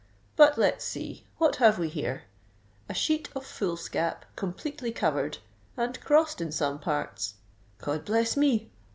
But let's see—what have we here? A sheet of foolscap completely covered—and crossed in some parts. God bless me!